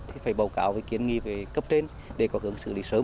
thì phải bầu cáo về kiến nghị về cấp trên